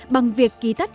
bằng việc ký thắt hiệp định